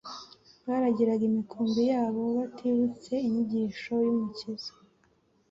baragiraga imikumbi yabo batibutse inyigisho y'Umukiza.